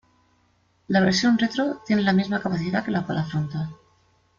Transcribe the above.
La versión retro tiene la misma capacidad que la pala frontal.